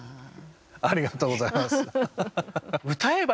ありがとうございます。